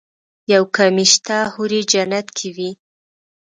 يو کمی شته حورې جنت کې وي.